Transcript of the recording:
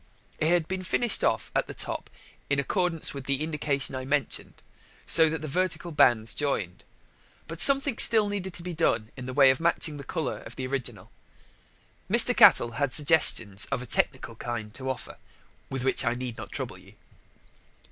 It had been finished off at the top in accordance with the indication I mentioned, so that the vertical bands joined. But something still needed to be done in the way of matching the colour of the original. Mr. Cattell had suggestions of a technical kind to offer, with which I need not trouble you.